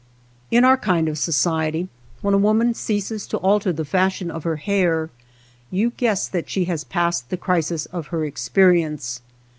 In our kind of society, when a woman ceases to alter the fashion of her hair, you guess that she has passed the crisis of her experience.